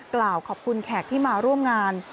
กล่าวขอบคุณแขกที่มาร่วมงาน